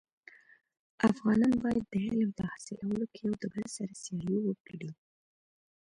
افغانان باید د علم په حاصلولو کي يو دبل سره سیالي وکړي.